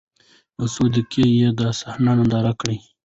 يو څو دقيقې يې دا صحنه ننداره وکړه.